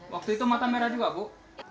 waktu itu mata merah juga bu